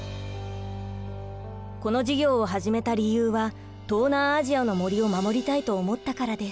この事業を始めた理由は東南アジアの森を守りたいと思ったからです。